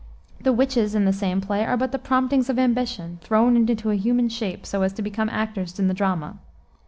The witches in the same play are but the promptings of ambition, thrown into a human shape, so as to become actors in the drama.